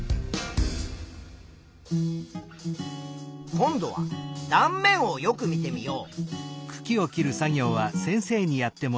今度は断面をよく見てみよう。